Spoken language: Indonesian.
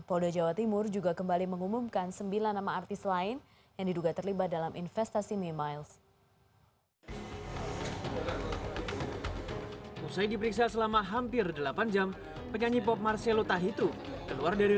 polda jawa timur juga kembali mengumumkan sembilan nama artis lain yang diduga terlibat dalam investasi memiles